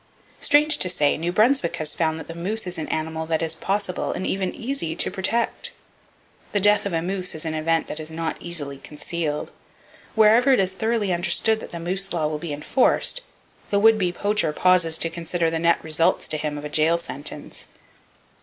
Strange to say, New Brunswick has found that the moose is an animal that it is possible, and even easy, to protect. The death of a moose is an event that is not easily concealed! Wherever it is thoroughly understood that the moose law will be enforced, the would be poacher pauses to consider the net results to him of a jail sentence.